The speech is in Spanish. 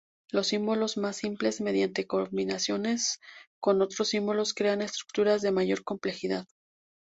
Los símbolos más simples, mediante combinaciones con otros símbolos, crean estructuras de mayor complejidad.